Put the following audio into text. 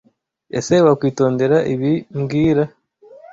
ese Wakwitondera ibi mbwira